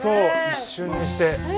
一瞬にして。